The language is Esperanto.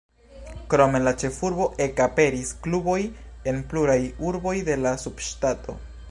Krom en la ĉefurbo ekaperis kluboj en pluraj urboj de la subŝtato.